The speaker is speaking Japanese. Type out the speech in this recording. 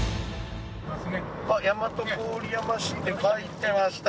あっ大和郡山市って書いてました。